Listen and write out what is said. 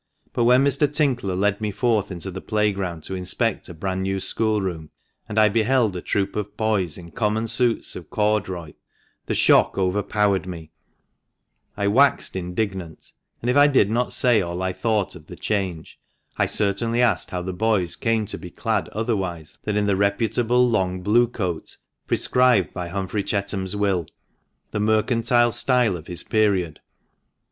But when Mr. Tinkler led me forth into the play ground to inspect a brand new schoolroom, and I beheld a troop of boys in common suits of corduroy, the shock overpowered me, I waxed indignant, and if I did not say all I thought of the change, I certainly asked how the boys came to be clad otherwise than in the reputable long blue coat prescribed by Humphrey Chetham's will, the mercantile style of his period?